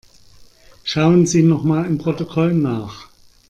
Schauen Sie nochmal im Protokoll nach.